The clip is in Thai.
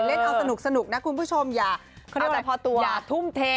เล่นเอาสนุกนะคุณผู้ชมอย่าทุ่มเท